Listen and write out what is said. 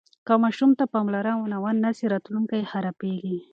که ماشوم ته پاملرنه ونه سي راتلونکی یې خرابیږي.